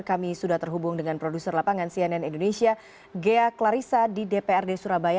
kami sudah terhubung dengan produser lapangan cnn indonesia ghea klarissa di dprd surabaya